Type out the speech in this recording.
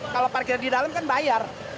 kalau parkir di dalam kan bayar